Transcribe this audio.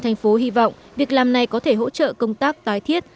và mong việc làm này có thể hỗ trợ công tác tái thiết